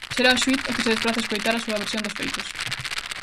Será o xuíz o que se desprace a escoitar a súa versión dos feitos.